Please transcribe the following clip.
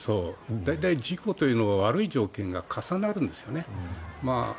大体事故というのは悪い条件が重なるんですよね。